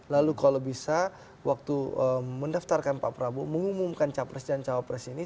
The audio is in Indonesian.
lalu kalau bisa waktu mendaftarkan pak prabowo mengumumkan capres dan cawapres ini